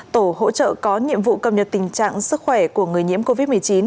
tổ hỗ trợ có nhiệm vụ cập nhật tình trạng sức khỏe của người nhiễm covid một mươi chín